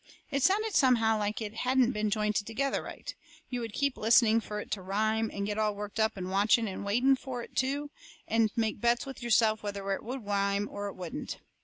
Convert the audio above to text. It sounded somehow like it hadn't been jointed together right. You would keep listening fur it to rhyme, and get all worked up watching and waiting fur it to, and make bets with yourself whether it would rhyme or it wouldn't.